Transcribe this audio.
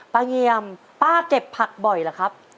เงียมป้าเก็บผักบ่อยเหรอครับ